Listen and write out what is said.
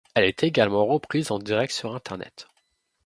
Elle est également reprise en direct sur Internet.